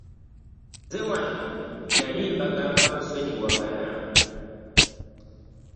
Nze wano nnali mbagamba kusonyiwagana.